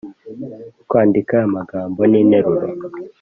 -kwandika amagambo n’interuro